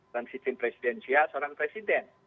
dan sistem presidensial seorang presiden